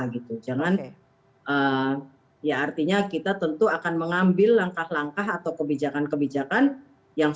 gitu jangan ya artinya kita tentu akan mengambil langkah langkah atau kebijakan kebijakan yang